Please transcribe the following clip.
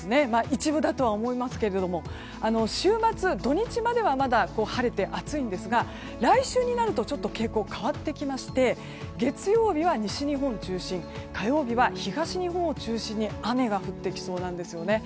一部になりそうですが週末、土日までは晴れて暑いんですがちょっと傾向が変わってきまして月曜日は西日本中心火曜日は東日本中心に雨が降ってきそうなんですよね。